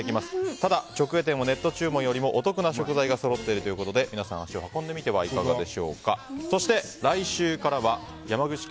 ただ直営店は、ネット注文よりもお得な食材がそろっているということで皆さん足を運んでみては彼の名はペイトク